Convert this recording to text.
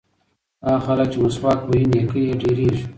هغه خلک چې مسواک وهي نیکۍ یې ډېرېږي.